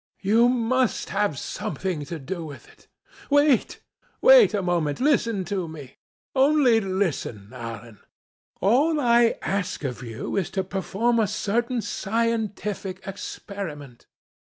"You must have something to do with it. Wait, wait a moment; listen to me. Only listen, Alan. All I ask of you is to perform a certain scientific experiment.